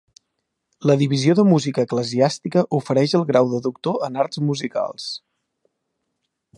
La Divisió de Música Eclesiàstica ofereix el grau de Doctor en Arts Musicals.